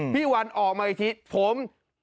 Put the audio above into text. พี่วันออกมาอาทิตย์ผม